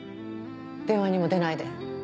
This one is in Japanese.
電話にも出ないで。